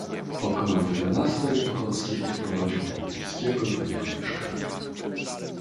"Około jedenastej Ochocki odprowadził Wokulskiego do jego mieszkania."